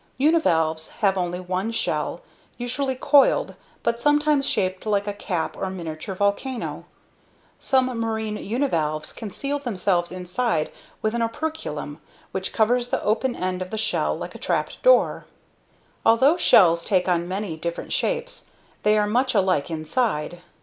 Univalves have only one shell, usually coiled, but sometimes shaped like a cap or miniature volcano. Some marine univalves can seal themselves inside with an operculum, which covers the open end of the shell like a trap door. Although shells take on many different shapes, they are much alike inside.